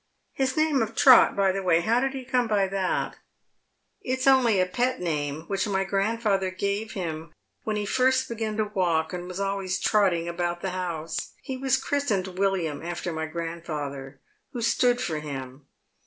His name of Trot, by the way, how did he come by that ?"" It is only a pet name which my grandfather gttve him when he first began to walk and was always trotting about the houro. 256 Diad Men's Skses. He was christened William after my grandfather, who stood fo9 him.